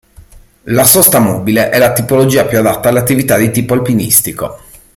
La sosta mobile è la tipologia più adatta alle attività di tipo alpinistico.